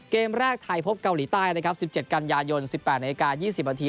เกมแรกไทยพบเกาหลีใต้นะครับ๑๗กันยายน๑๘นาที๒๐นาที